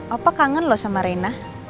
opa kangen loh sama reina